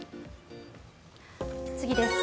次です。